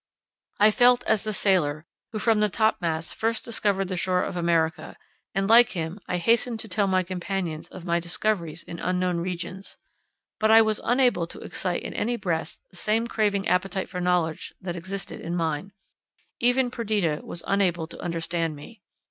I felt as the sailor, who from the topmast first discovered the shore of America; and like him I hastened to tell my companions of my discoveries in unknown regions. But I was unable to excite in any breast the same craving appetite for knowledge that existed in mine. Even Perdita was unable to understand me.